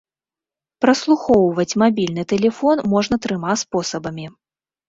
Праслухоўваць мабільны тэлефон можна трыма спосабамі.